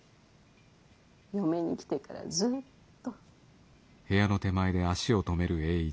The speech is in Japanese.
嫁に来てからずっと。